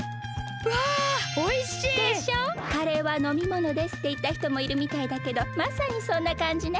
「カレーは飲み物です」っていったひともいるみたいだけどまさにそんなかんじね。